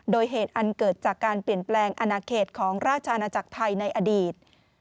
โดยเหตุอันเกิดจากการเปลี่ยนแปลงอนาเขตของราชอาณาจักรไทยในอดีต